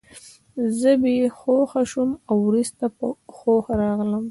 زه بې هوښه شوم او وروسته په هوښ راغلم